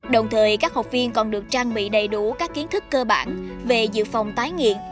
đồng thời các học viên còn được trang bị đầy đủ các kiến thức cơ bản về dự phòng tái nghiện